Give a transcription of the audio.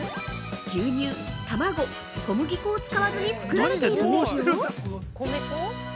牛乳、卵、小麦粉を使わずに作られているんですよ。